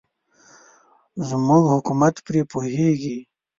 زموږ حکومت پرې پوهېږي.